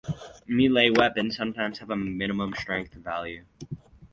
Melee weapon sometimes have a "Minimum Strength" value.